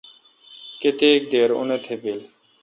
کیتک دیر اوں نتھ بیل۔